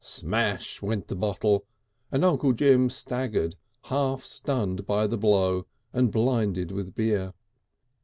Smash went the bottle, and Uncle Jim staggered, half stunned by the blow and blinded with beer.